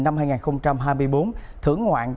năm hai nghìn hai mươi bốn thưởng ngoạn